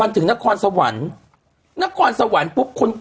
ถึงนครสวรรค์นครสวรรค์ปุ๊บคน